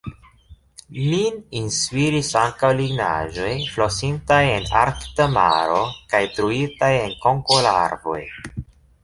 Lin inspiris ankaŭ lignaĵoj, flosintaj en Arkta Maro kaj truitaj de konkolarvoj.